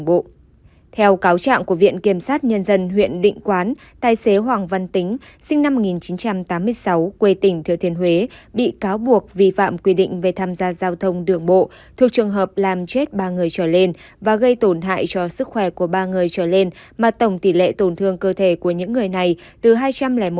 nhân dân huyện định quán tài xế hoàng văn tính sinh năm một nghìn chín trăm tám mươi sáu quê tỉnh thừa thiên huế bị cáo buộc vi phạm quy định về tham gia giao thông đường bộ thuộc trường hợp làm chết ba người trở lên và gây tổn hại cho sức khỏe của ba người trở lên mà tổng tỷ lệ tổn thương cơ thể của những người này từ hai trăm linh một trở lên